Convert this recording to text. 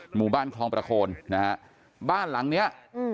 หมู่บ้านคลองประโคนนะฮะบ้านหลังเนี้ยอืม